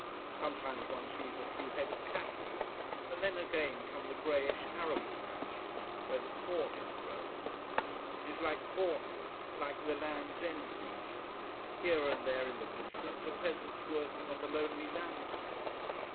Sometimes one sees a few head of cattle. And then again come the greyish arable patches, where the corn is grown. It is like Cornwall, like the Land's End region. Here and there, in the distance, are peasants working on the lonely landscape.